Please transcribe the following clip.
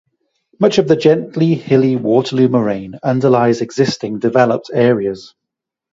Much of the gently hilly Waterloo Moraine underlies existing developed areas.